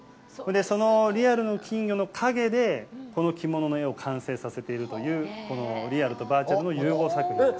そのリアルの金魚の影でこの着物の絵を完成させているという、このリアルとバーチャルの融合作品です。